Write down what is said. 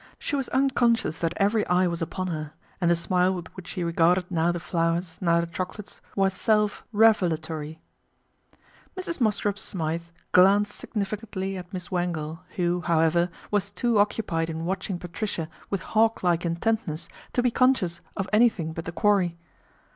She was unconscious that every eye was upon her, and the smile with which she regarded now the flowers, now the chocolates, was self revelatory. Mrs. Mosscrop Smythe glanced significantly at Miss Wangle, who, however, was too occupied in watching Patricia with hawk like intentness to be conscious of anything but the quarry.